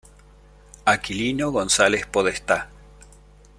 Aquilino González Podestá.